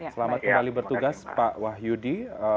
selamat kembali bertugas pak wahyudi